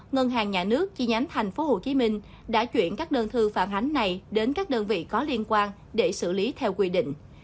ngân hàng nhà nước chi nhánh tp hcm đã chuyển các đơn thư phản ánh này đến các đơn vị có liên quan để xử lý theo quy định